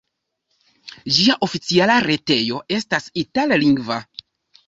Ĝia oficiala retejo estas itallingva.